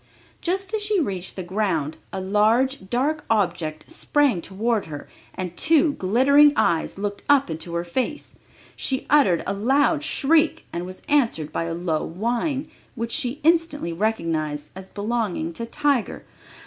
Just as she reached the ground a large, dark object sprang toward her and two glittering eyes looked up into her face. She uttered a loud shriek and was answered by a low whine, which she instantly recognized as belonging to Tiger.